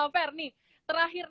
per nih terakhir